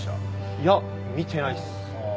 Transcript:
いや見てないです。